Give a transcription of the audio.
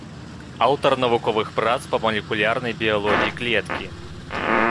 Аўтар навуковых прац па малекулярнай біялогіі клеткі.